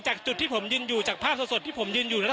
จากจุดที่ผมยืนอยู่จากภาพสดที่ผมยืนอยู่ตรงนี้